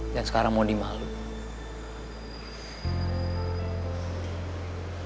dan sekarang mau dimalukan